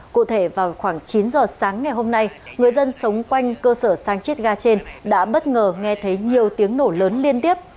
cụ thể vào khoảng chín giờ sáng ngày hôm nay người dân sống quanh cơ sở sang chiết ga trên đã bất ngờ nghe thấy nhiều tiếng nổ lớn liên tiếp